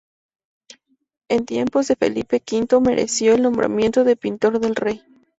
En tiempos de Felipe V mereció el nombramiento de pintor del rey.